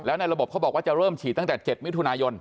แล้วในระบบเขาบอกว่าจะเริ่มฉีดตั้งแต่๗มิถุนายน